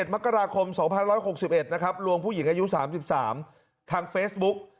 มกราคม๒๑๖๑นะครับลวงผู้หญิงอายุ๓๓ทางเฟซบุ๊ก